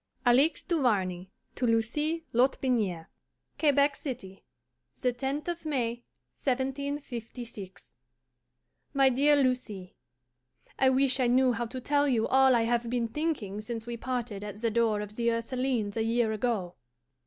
ALIXE DUVARNEY TO LUCIE LOTBINIERE. QUEBEC CITY, the 10th of May, 1756. MY DEAR LUCIE: I wish I knew how to tell you all I have been thinking since we parted at the door of the Ursulines a year ago.